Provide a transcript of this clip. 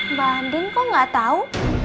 mbak andrin kok gak tau